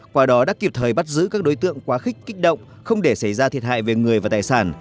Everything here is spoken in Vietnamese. qua đó đã kịp thời bắt giữ các đối tượng quá khích kích động không để xảy ra thiệt hại về người và tài sản